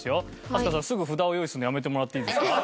飛鳥さんすぐ札を用意するのやめてもらっていいですか？